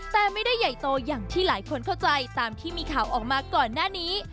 แต่ไม่ได้ใหญ่โตอย่างที่หลายคนเข้าใจตามที่มีข่าวออกมาก่อนหน้านี้